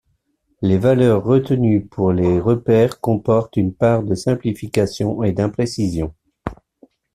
Les valeurs retenues pour les repères comportent une part de simplification et d'imprécision.